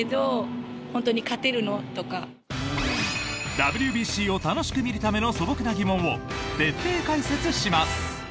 ＷＢＣを楽しく見るための素朴な疑問を徹底解説します。